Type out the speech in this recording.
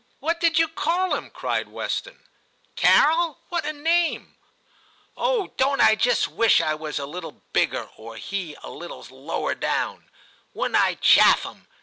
* What did you call him ?' cried Weston. 'Carol "! What a name ! Oh, don't I just wish I was a little bigger or he a little lower down ; wouldn't I chaff him.